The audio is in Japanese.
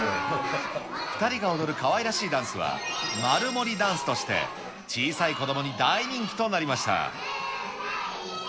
２人が踊るかわいらしいダンスはマルモリダンスとして、小さい子どもに大人気となりました。